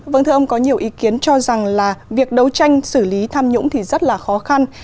vâng thưa ông có nhiều ý kiến cho rằng là việc đấu tranh xử lý tham nhũng thì rất là khó khăn